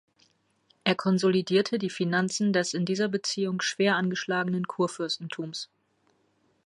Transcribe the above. Er konsolidierte die Finanzen des in dieser Beziehung schwer angeschlagenen Kurfürstentums.